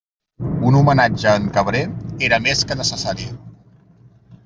Un homenatge a en Cabré era més que necessari.